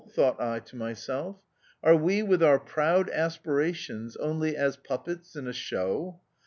thought I to myself. Are we with our proud aspirations only as puppets in a show